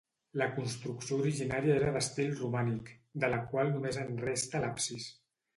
La construcció originària era d'estil romànic, de la qual només en resta l'absis.